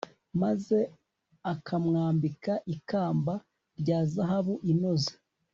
maze ukamwambika ikamba rya zahabu inoze